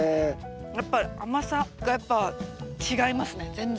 やっぱり甘さがやっぱ違いますね全然。